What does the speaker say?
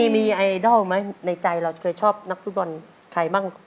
มีไอดอลไหมในใจเราเคยชอบนักฟุตบอลใครบ้าง